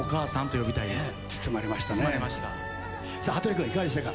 羽鳥君いかがでしたか？